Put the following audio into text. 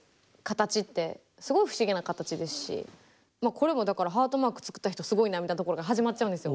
これもだからハートマーク作った人すごいなみたいなところから始まっちゃうんですよ。